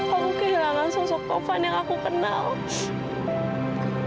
aku kehilangan sosok tovan yang aku kenal